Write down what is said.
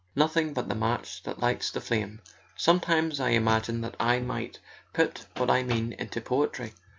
"Nothing but the match that lights the flame! Sometimes I imagine that I might put what I mean into poetry